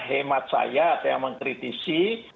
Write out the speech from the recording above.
hemat saya atau yang mengkritisi